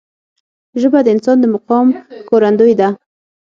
ژبه د انسان د مقام ښکارندوی ده